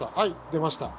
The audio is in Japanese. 出ました。